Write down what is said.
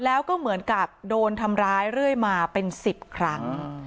แล้วก็เหมือนกับโดนทำร้ายเรื่อยมาเป็น๑๐ครั้ง